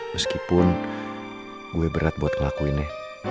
meskipun gue berat buat ngelakuinnya